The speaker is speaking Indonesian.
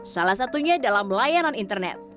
salah satunya dalam layanan internet